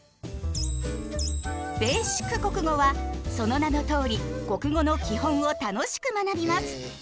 「ベーシック国語」はその名のとおり国語の基本を楽しく学びます。